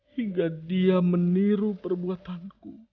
hingga dia meniru perbuatanku